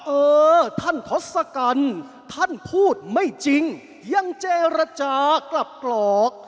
เออท่านทศกัณฐ์ท่านพูดไม่จริงยังเจรจากลับกรอก